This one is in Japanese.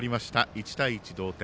１対１、同点。